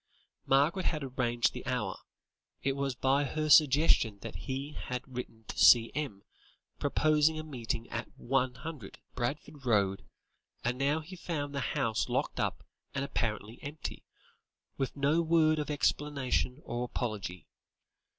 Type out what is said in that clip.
Margaret had arranged the hour; it was by her suggestion that he had written to C.M., proposing a meeting at 100, Barford Road, and now he found the house locked up and apparently empty, with no word of explanation or apology.